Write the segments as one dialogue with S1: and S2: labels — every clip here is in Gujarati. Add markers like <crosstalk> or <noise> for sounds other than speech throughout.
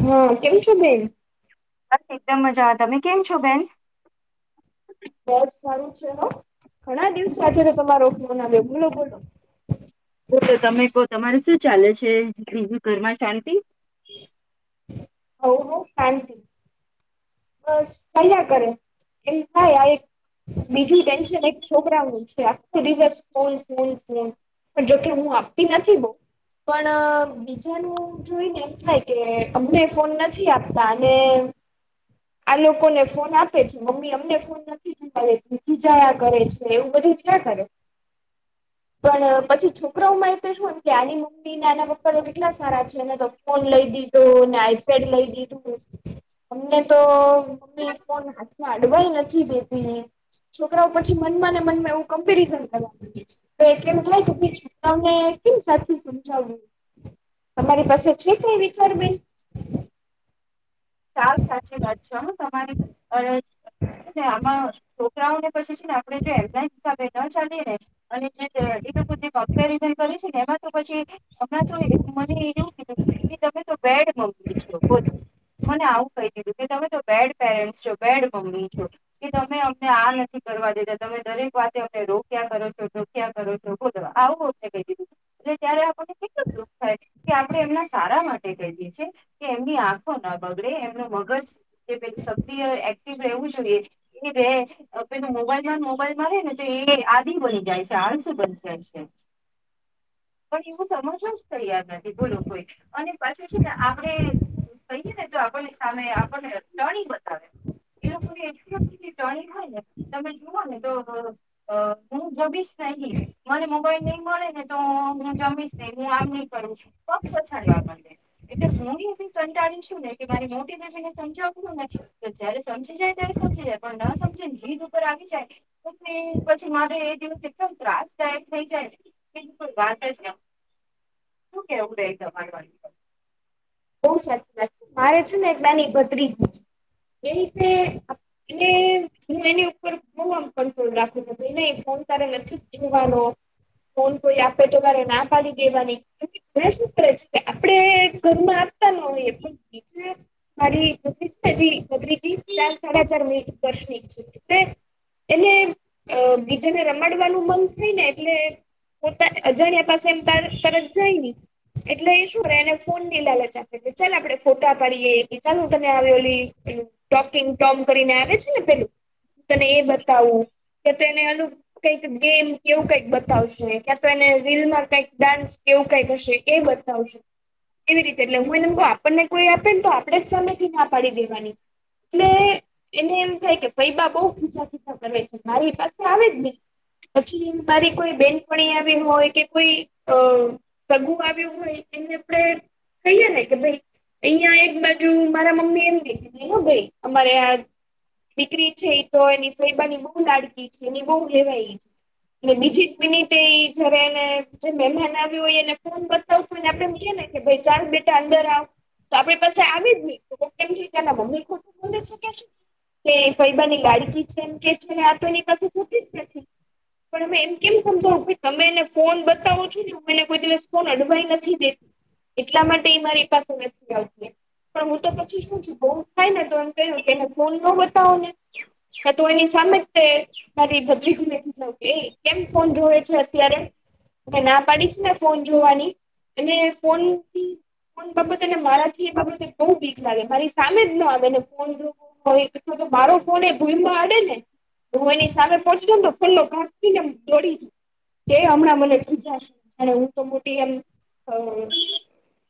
S1: હા કેમ છો બેન
S2: બસ એકદમ મજા આવે તમે કેમ છો બેન
S1: બસ સારું છે હ ઘણા દિવસ આજે તો તમારો ફોન આવ્યો બોલો બોલો
S2: બોલો તમે કો તમારે શું ચાલે છે બીજું ઘરમાં શાંતિ
S1: હ હવ હવ શાંતિ બસ ચાલ્યા કરે એમ થાય આ એક બીજું ટેન્શન એક છોકરા નું છે આખું રિવર્સ ફોન ફોન ફોન પણ જોકે હું આપતી નથી બો પણ બીજાનું જોઈ ને એમ થાય કે અમને ફોન નથી આપતા અને આ લોકોને ફોન આપે છે મમ્મી અમને ફોન જાયા કરે છે એવું બધું ક્યાં કરે. પણ પછી છોકરાઓમાં એ તો શું એમ કે આની મમ્મી તી આના પપ્પા તો કેટલા સારા છેને તો ફોન લઈ દીધો ને આઈપેડ લઈ દીધું અમને તો મમ્મી ફોન હાથમાં અડવાઈ નથી દેતી છોકરાઓ પછી મનમાં ને મનમાં એવું કમ્પેરિઝન કરવા. તો એટલે એમ થાય કે છોરાઓને કેમ સા સમજાવું. તમારી પાસે છે કઈ વિચાર બેન.
S2: સાવ સાચી વાત છે હ તમારી અ આમાં છોકરાઓને પછી છે ને આપે જો એડલા હિસાબે ન ચાલીએ ને અને જે એ લોકો જે કમ્પેરિઝન કરે છે ને એમાં તો પછી હમણાં તો મને એવું કીધું. તમે તો બેડ મમ્મી છો બોલો મને આવું કહી દીધું કે તમે તો બેડ પેરેન્ટ્સ છો બેડ મમ્મી છો. કે તમે અમને આ નથી કરવા દેતાા તમે દરેક વાતે અમને રોક્યા કરો છો. ટોકયા કરો છો બોલો આવું છે કઈ દીધું. એટલે ત્યારે આપણને કેટલું દુઃખ થાય કે આપડણે એમના સારા માટે કહી દ છી કે એમની આંખો ના બગડ એમનું મગજ જે પે સક્રિય એક્ટિવ રહેવું જોઈએ એ ર પેલ મોબાઈલ વાર મોબાઈલમાં રહેે ને તો એ આદિ બની જાય છે આળસ બની જાય છે. પણ એવું સમજવું જ તૈયાર નથી બોલો કોઈ અને પાછું છે ને આપડે કહીએ ને તો આપણને સામે આપણને ટણી બતાવે. એ લોકો ને એટલી બધી ટણી હોયને તમે જુઓ ને તો અ હું જમીશ સહી મને મ કોઈ નહી મળે ને તો હું જમીશ નહી હું આવી. કરું છું પગ પછાડવા એટલે હું એ કંટાળી શું ન કે મારી મોટી બેબીને સમજાવું ને તો જયારે સમજી જાય ત્યારે સમજી જાય પણ ન સમજી ને જીદ ઉપર આવી જાય પછી પછી મારે એ દિવસ એટલો ત્રાસદાયક થઈ જાય. બિલકુલ વાત જ શું કેવું રે તમાર વાત?
S1: બવ સાચી વાત છે મારે છે ને એકદાની ભત્રીજી છે એ રીતે એને હું એની ઉપર બહુ આમ કંટ્રોલ રાખું છું, ફોન તારે નથી જોવાનો, ફોન કોઈ આપે તો કરે ના પાડી દેવાની. ને શું કરે છે આપણે ઘરમાં ન હોય પણ બીજ મારી પક છેજી પક્રીજી ચાર સાડા ચાર મહિ <unintelligible> તે એને બીજાને રમાડવાનું મન થયું ને એટલે હતા અજાણ્યા પાસે એમ ત તરત જઈ ને એટલે એ શું રે એને ફોનની લાલચ આપ. ચાલ આપડે ફોટા પાડીએ કે ચાલ હું તમે આવ્યોલી ટોકિંગ ટોમ કરીને આવે છે ને પેલું તને એ બતાવું કે તો એને અલુ કઈક ગેમ કેવું કઈક બતાવશે ક્યા તો એને રીલમાં કઈક ડાન્સ કેવું કઈક હશે એ બતાવશે. એવી રીતે એટલે હું એનેમ કવ આપણને કોઈ આપે ને તો આપણેે જ સામે થી ના પાડી દેવાની. ને એને એમ થાય કે ફૈબા બઉ પૂછા પૂછા કરે છે મારી પાસે આવે જ નહી. પછી મારી કોઈ બેનપણી આવી હોય કે કોઈ અ સગું આવ્યું હોય એને આપડે થૈયા ને કે ભાઈ અહિયાં એક બાજુ મારા મમ્મી એમ લીધી ને ભાઈ અમારે આ દીકરી છે એ તો એની સફોઈબાની બહુ લાડકી છે એની બહુ લેવાય છે. અને બીજી જ મિનિટે જયારે એને જે મહેમાન આવ્યું હોય એને ફોન બ આપડ એમ કે ને કે ભાઈ ચાર બેટા અંદર આવ તો આપડી પાસે આવી જ ની <inaudible> તેના મમ્મી ખોટું બોલે છે કે શું. કે ફૈબાની લાડકી છેમ કે છે આ તો એની પાસે જતી જ નથી. પણ મેમ, એમ કેમ સમજાવું કે તમે ફોન બતાવો છો ને, હું એને કોઈ દિવસ ફોન અડવા નથી દેતી. એટલા માટે મારી પાસે નથી આવતી. પણ હું તો પછી શું છું, બહુ થાય ને તો એમ કેઈ દવ કે ફોન ન તુંને એ તો એમની સામે છે. મારી ભત્રીજીને કે, કેમ ફોન જોવે છે અત્યારે? કે ના પાડી છે ને ફોન જોવાની અને ફોનથી પણ બા, તને મારાથી બહુ બીક લાગે? મારી સામે જ ન આવે ને ફોન જોવા? તો મારો ફોન એ ભૂલમાં અડે ને હું એની સાથે પાછળથી ખુલ્લો ઘાને દોડીન કે હમણાં મનેય ખીજાશે જ, હું તો મોટી એમ.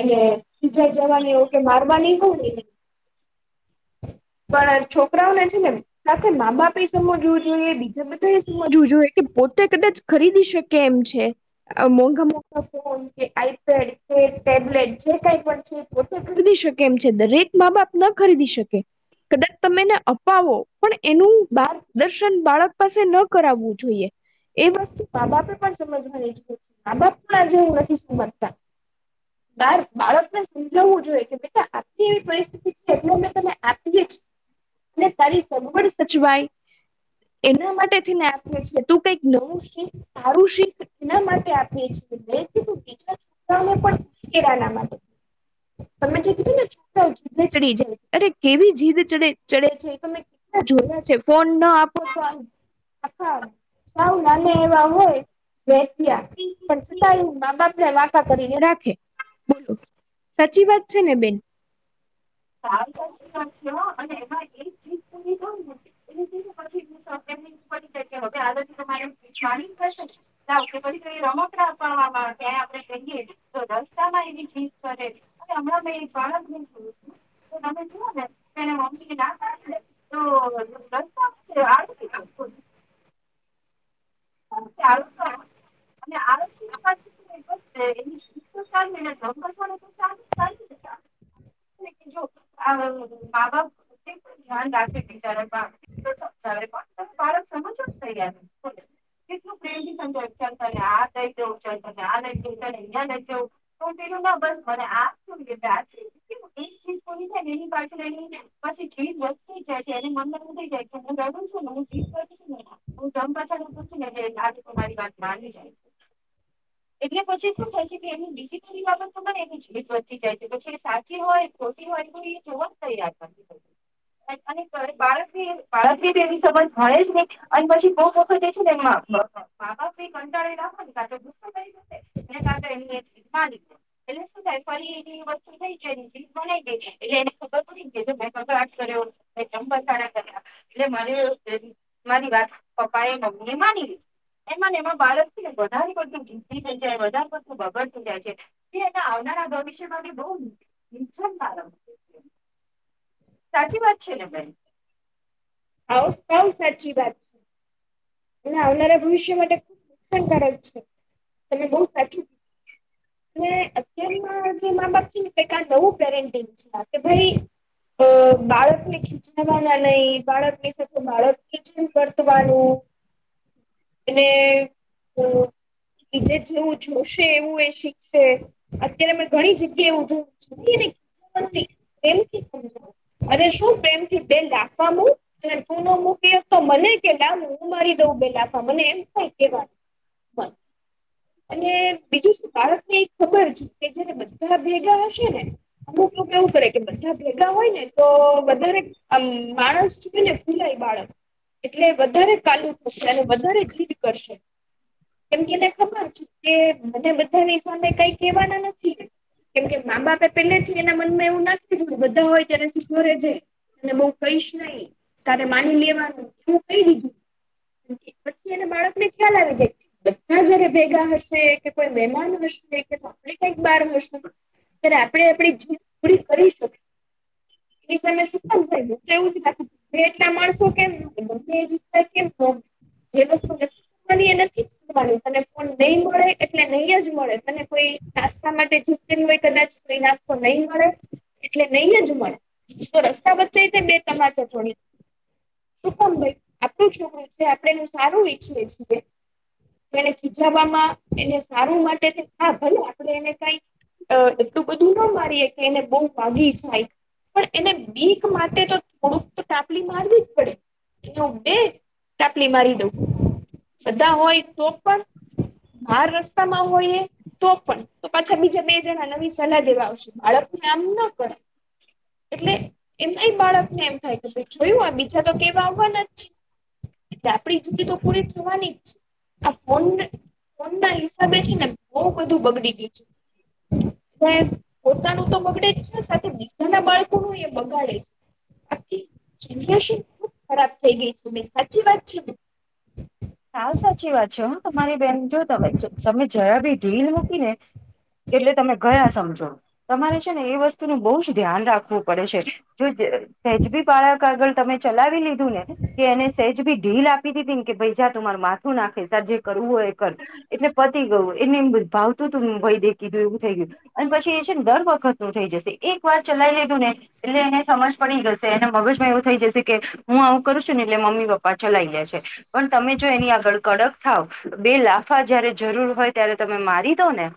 S1: અને બીજા જવાની હો કે મારવાની હોય ને એવી. પણ છોકરાઓને છેને સાથે મા-બાપે સમજવું જોઈએ, બીજા બધાએ સમજવું જોઈએ કે પોતે કદાચ ખરીદી શકે એમ છે, મોંઘા-મોંઘા ફોન કે આઈપેડ. ટેબ્લેટ જે કંઈ પણ છે, પોતે ખરીદી શકે એમ છે. દરેક મા-બાપ ન ખરીદી શકે. કદાચ તમે એને અપાવો પણ એનું માર્ગદર્શન બાળક પાસે ન કરાવવું જોઈએ. એ વસ્તુ મા-બાપે પણ સમજવાની જ છે, મા-બાપ પણ આજે નથી સમજતા. બાળકને સમજાવવું જોઈએ કે, બેટા આપણી એવી પરિસ્થિતિ છે એટલે મેં તને આપી જ ને તારી સગવડ સચવાય. એના માટે જ ને આપે છે, તું કંઈક નવું શીખ, સારું શીખ. એના માટે આપીએ છીએ મે કીધું <inaudible> માટે તમે જે કીધું ને છોકરાઓ જીડે ચડી જાય છે અરે કેવી જીદ ચડે-ચડે છે એ તમે જોયા છે. ફોન ના આપો તો આમ આખા સાવ નાને એવા હોય વેચ્યા પણ છતાંય મા-બાપને વાકા કરીને રાખ હે. બોલો સાચી વાત છે ને બેન?
S2: હાલ, સાચી છે હો અને એમાં એક ચીજ <unintelligible> એટલે પછી <inaudible> પડી જાય કે હવે આ. <inaudible> <inaudible> તો રસ્તામાં એવી ચીજ કરે છે અને હમણાં મેં એ બાળકને જોયું તમે જૂઓ ને તો એની મમ્મી <inaudible> તો રસ્તા વચ્ચે <inaudible> <inaudible> <inaudible> અને બીજું અ મા-બાપ કેટલું ધ્યાન રાખે બિચારા. કેટલું સમજાવે પણ બાળક સમજવા જ તૈયાર નથી બોલ. કેટલું પ્રેમથી સમજાવે ચલ તને આ લઈ દવ, ચલ તને આ લઈ દવ, તને અહીંયા લઈ જવ. તોય પેલું ના બસ માને આ જોઈએ એટલે આ જ જોઈએ. કેવું એક ચીજ મળી જાય ને એની પાછળ એની પછી જીદ વધતી જ જાય છે એને મનને એવું થઈ જાય હું રડું છું ને, જીદ કરું છું ને. હું ધમ પછાડા કરું છું ને એટલે આ લોકો મારી વાત માની જાય.
S1: હ.
S2: એટલે પછી શું થાય છે કે એની બીજી ઘણી આદતો પણ એની જીત વધતી જાય પછી એ સાચી હોય ખોટી હોય, પણ પણ એ જોવા જ તૈયાર નથી. અને કોઈ બાળકને-બાળકને બી એવી સમજ થાય જ નઈ અન પછી <unintelligible> છી એના મા-બાપ છે એ કાં તો એની એ જીદ માની લે એટલે શું થાય ફરી એની એ વસ્તુ થઈ જાય. જીદ મનાઈ ગઈ એટલે એને ખબર પડી ગઈ જો મેં કકળાટ કર્યો, ધમ પછડાઈ કર્યા એટલે મને <unintelligible> ને માંની લીધી એમાં ને એમાં બાળક છે ને વધારે પડતું જિદ્દી થઈ જાય, વધારે પડતું બગડતી જાય છે તે એને આવનારા ભવિષ્યમાં બહુ નુકસાનકારક સાચી વાત છે ને બેન?
S1: હવ સાવ સાચી વાત. એના આવનારા ભવિષ્ય માટે નુકસાનકારક છે. તમે બહુ સાચું અને અત્યારના જે મા-બાપ છે ને <inaudible> બઉ પેરેન્ટિંગ છે કે ભઈ કે બાળકને ખીજાવાના નઈ બાળક બાળક સાથે બાળકની જેમ વર્તવાનું. અને અમ બીજે જેવું જોશે એવું એ શીખશે અત્યારે મે ઘણી જગ્યા એવું જો <unintelligible> અરે શું પ્રેમથી બેન રાખવાનું અને તું નો મૂકી હક તો મને કે લાવ હું મારી દઉં બે લાફા મને એમ કોઈવાર બાય. અને બીજું શું બાળકને એક ખબર છે કે જયારે બધા ભેગા હશે ને અમુક લોકો એવું કરે કે બધા ભેગા હોય ને તો વધારે આમ માણસ છે ને ફૂલાય બાળક. એટલે વધારે ચાલુ થશે અને વધારે જીદ કરશે. એમને એને ખબર છે કે મને બધાની સામે કઈ કેહેવાના નથી કેમ કે મા બાપે પેલેથી એના મનમાં એવું નથી જોયું બધા હોય ત્યારે સુધરે જાય અનેને બઉ કહીશ નહી તારે માની લેવાનું એવું કહી દીધું પછી એને બાળક ને ખ્યાલ આવી જાય બધા જયારે ભેગા હશે કે કોઈ મહેમાન હશે કેલી <unintelligible> કંઈક બાર હશે. ત્યારે આપડે આપડી જીવ પૂરી કરી શક એ સમસ્યા હોય થયું એવું જ બાકી કે એટલા માણસો કેમ જ કેમ જે વસ્તુ નથીવાની એ નથી તને ફોન નહી મળે એટલે નહી જ મળે તને કોઈ નાસ્તા માટે જ હોય કદાચ કોઈ નાસ તો નહી મળે એટલે નહીં જ મળે હું તો રસ્તા વચ્ચે તે બે તમાચા જડી શું કમ ભાઈ આપડું છોકરું છે આપડે સારું ઈચ્છીએ છીએ ત્યારે ખીજવામાં એને સારું માટે હા ભલે આપડે એને કઈ અહ એટલું બધું ના મારીએ કે એને બહુ વાગી જાય પણ એને બીક માટે તો થોડુંક ચાપલી મારવી જ પડે જો બે ચાપલી મારી દઉં. બધા હોય તો પણ બાર રસ્તામાં હોયએ તો પણ. તો પાછા બીજા બે જણા નવી સલાહ દેવા આવશે બાળકને આમ ના કરાય. એટલે એમ એ બાળકને એમ થાય કે જોયું આ બીજા તો કેવા આવવાના જ છે. એટલે આપડી જીદ તો પૂરી થવાની જ છે. આ ફોન ને ફોન ના હિસાબે છે ને બહુ બધું બગડી ગયું છે. પોતાનું તો બગડે જ છે સાથે બીજાના બાળકો નું એ બગાડે છે.
S2: <inaudible>
S1: જીંદગી ખરાબ થઈ ગઈ છે બેન હાચી વાત છે ને?
S2: સાવ સાચી વાત છે હ તમારી બેન, જો તમે તમે જરા બી ઢીલ મૂકી ને એટલે તમે ગયા સમજો તમારે છે ને એ વસ્તુ નું બહુ જ ધ્યાન રાખવું પડે છે. જો જ સેજ બી બાળક આગળ તમે ચલાવી લીધું ને કે એને સેજ ભી ઢીલ આપી દીધી ને કે ભઈ જ્યાં તમાર માથું નાખે તારે જે કરવું હોય એ કર એટલે પતી ગયું એને એમ ભાવતું તું ને વૈદ્ય કીધું એવું થઈ ગયું. અને પછી એ છે ને દર વખત નું થઈ જશે એક વાર ચલાઈ લીધું ને એટલે એને સમજ પડી ગશે એને મગજમાં એવું થઈ જશે કે હું આવું કરું છ ને એટલે મમ્મી પપ્પા પાછા લઈ લે છે. પણ તમે જો એની આગળ કડક થાવ બે લાફા જયારે જરૂર હોય ત્યારે તમે મારી દો ને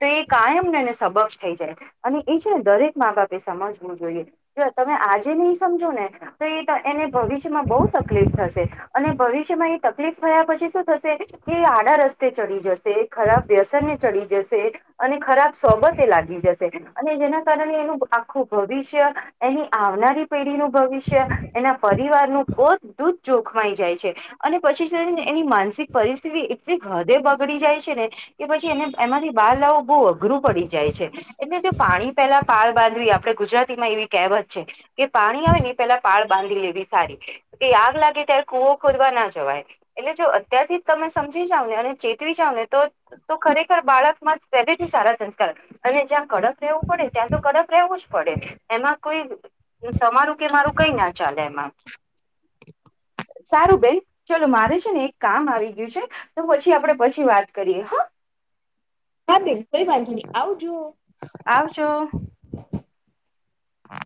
S2: તો એ કાયમ ને સમબક્ષ થઈ જાય અને એ છે ને દરેક માં બાપે સમજવું જોઈએ. જો તમે આજે નહી સમજો ને તો એ ત એને ભવિષ્યમાં બહુ તકલીફ થશે અને ભવિષ્ય માં એ તકલીફ થયા પછી શું થશે કે આડા રસ્તે ચડી જશે ખરાબ વ્યસનને ચડી જશે. અને ખરાબ સોગત એ લાગી જશે અને જેના કારણે એનું આખું ભવિષ્ય એની આવનારી પેઢીનું ભવિષ્ય એના પરિવારનું બધું જ જોખમાઈ જાય છે. અને પછી છેને એની માનસિક પરિસ્થિતિ એટલી હદે બગડી જાય છે ને કે પછી એને એમાંથી બહારલાાવો બહુ અઘરું પડી જાય છે. એટલે જો પાણી પેલા પાળ બાંધવી આપડે ગુજરાતી માં એવી કહેવત છે કે પાણી આવે ને પેલા પાળ બાંધી લેવી સારી કે આગ લાગે ત્યારે કુવો ખોદવા ના જા વાય. એટલે જો અત્યારથી તમે સમજી જાવ ને અને ચેતવી જાવ ને તો તો ખરેખર બાળક માં પહેલેથી સારા સંસ્કાર અને જ્યાં કડક રહેવું પડે ત્યાં તો કડક રહેવું જ પડે એમાં કોઈ તમારું કે મારું કઈ ના ચાલે એમાં, સારું બેન. ચાલો મારે છે ને એક કામ આવી ગયું છે તો પછી આપડે પછી વાત કરીએ હા.
S1: હા બેન કઈ વાંધી નહી આવજો.
S2: આવજો. હા